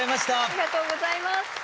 ありがとうございます。